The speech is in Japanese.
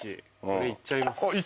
これいっちゃいます。